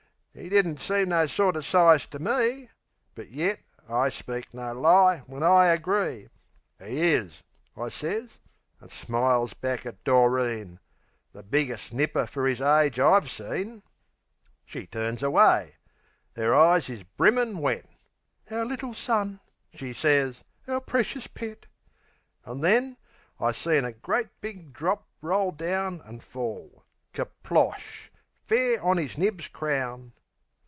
'E didn't seem no sorter size to me; But yet, I speak no lie when I agree; "'E is," I sez, an' smiles back at Doreen, "The biggest nipper fer 'is age I've seen." She turns away; 'er eyes is brimmin' wet. "Our little son!" she sez. "Our precious pet!" An' then, I seen a great big drop roll down An' fall kersplosh! fair on 'is nibs's crown.